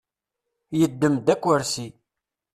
Yeddem-d akersi.